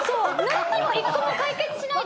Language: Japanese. なんにも１個も解決しないで。